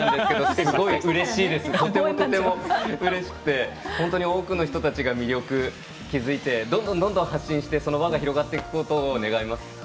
とてもとてもうれしくて本当に多くの人たちが魅力に気付いてどんどん発信して、その輪が広がっていくことを願います。